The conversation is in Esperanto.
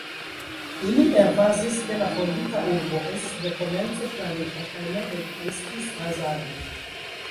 Ili emfazis, ke la fondita urbo estis dekomence planita kaj ne ekestis hazarde.